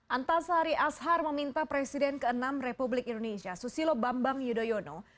antasari ashar meminta presiden ke enam republik indonesia susilo bambang yudhoyono